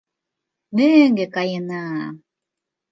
Мӧҥгӧ каена!